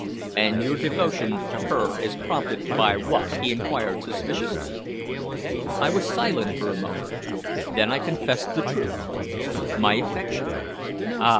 "And your devotion to her is prompted by what?" he inquired suspiciously. I was silent for a moment. Then I confessed the truth. "My affection." "Ah!"